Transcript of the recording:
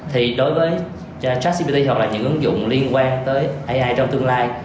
thì đối với chatbot hoặc là những ứng dụng liên quan tới ai trong tương lai